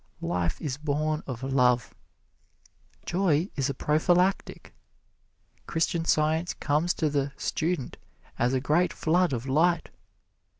Life is born of love. Joy is a prophylactic. Christian Science comes to the "student" as a great flood of light.